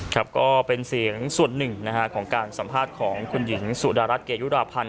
ครับก็เป็นเสียงส่วนหนึ่งของการสัมภาษณ์ของคุณหญิงสุดารัฐเกยุราพันธ